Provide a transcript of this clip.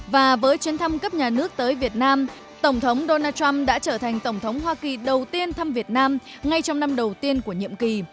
và với chuyến thăm cấp nhà nước tới việt nam tổng thống donald trump đã trở thành tổng thống hoa kỳ đầu tiên thăm việt nam ngay trong năm đầu tiên của nhiệm kỳ